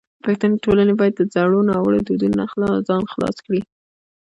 پښتني ټولنه باید د زړو ناوړو دودونو نه ځان خلاص کړي.